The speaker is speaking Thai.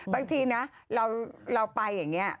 บางทีนะเราไปอย่างนี้